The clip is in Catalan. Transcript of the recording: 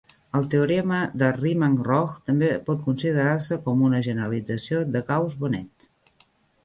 El teorema de Riemann-Roch també por considerar-se com una generalització de Gauss-Bonnet.